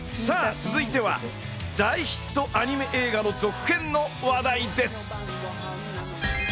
続いては大ヒットアニメ映画の続編の話題です。